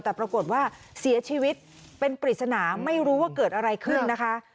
แต่ปรากฏว่าเสียชีวิตเป็นปริศนาไม่รู้ว่าเกิดอะไรขึ้นนะคะ